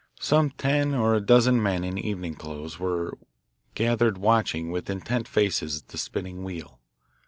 Some ten or a dozen men in evening clothes were gathered watching with intent faces the spinning wheel.